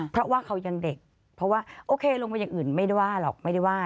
เพราะว่าเขายังเด็กเพราะว่าโอเคลงไปอย่างอื่นไม่ได้ว่าหรอกไม่ได้ว่า